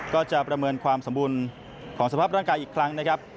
ประเมินความสมบูรณ์ของสภาพร่างกายอีกครั้งนะครับ